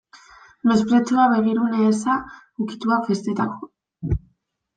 Mespretxua, begirune eza, ukituak, festetako.